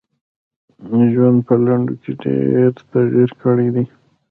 ژوند په لنډو کي ډېر تغیر کړی دی .